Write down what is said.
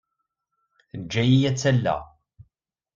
Teǧǧa-iyi ad tt-alleɣ.